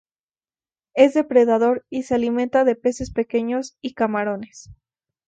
Es depredador y se alimenta de peces pequeños y camarones.